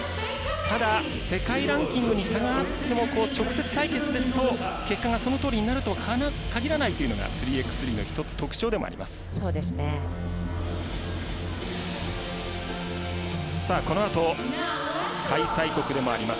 ただ、世界ランキングに差があっての直接対決ですと結果がそのとおりになると限らないというのが３ｘ３の１つ特徴でもあります。